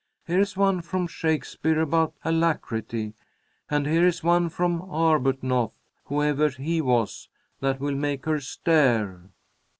Here's one from Shakespeare about alacrity. And here's one from Arbuthnot, whoever he was, that will make her stare."